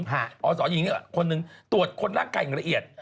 อ๋อหญิงเนี่ยคนนึงตรวจคนนางกายระเอียด